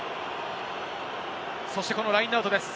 そしてラインアウトです。